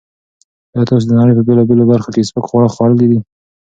ایا تاسو د نړۍ په بېلابېلو برخو کې سپک خواړه خوړلي دي؟